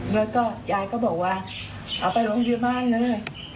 แล้วก็ยายก็บอกว่าเอาไปโรงพยาบาลเลย